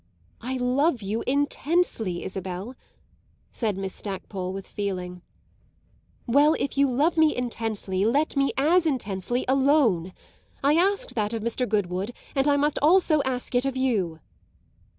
"I love you intensely, Isabel," said Miss Stackpole with feeling. "Well, if you love me intensely let me as intensely alone. I asked that of Mr. Goodwood, and I must also ask it of you."